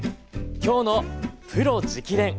今日の「プロ直伝！」